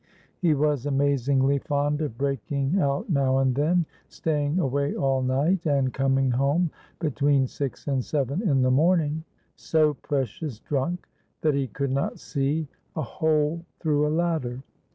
He was amazingly fond of breaking out now and then, staying away all night, and coming home between six and seven in the morning, so precious drunk that he could not see a hole through a ladder.